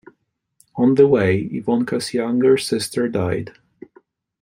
On the way Ivonka's younger sister died.